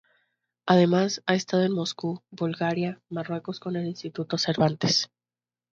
Además, ha estado en Moscú, Bulgaria, Marruecos con el Instituto Cervantes.